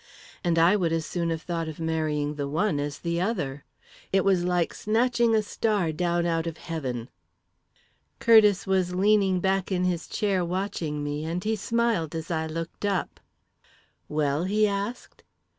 And I would as soon have thought of marrying the one as the other. It was like snatching a star down out of heaven. "Curtiss was leaning back in his chair watching me, and he smiled as I looked up. "'Well?' he asked.